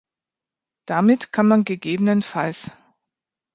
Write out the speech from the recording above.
Damit kann man ggf.